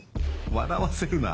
笑わせるな。